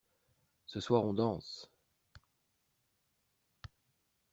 Ce soir on danse.